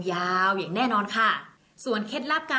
ส่งผลทำให้ดวงชาวราศีมีนดีแบบสุดเลยนะคะ